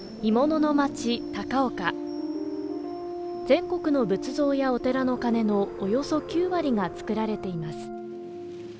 全国の仏像やお寺の鐘のおよそ９割が作られています。